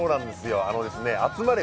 「集まれ！